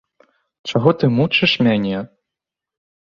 Чаго ты мучыш мяне?